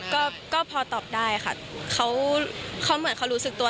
ก็ก็พอตอบได้ค่ะเขาเหมือนเขารู้สึกตัว